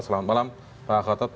selamat malam pak al khotad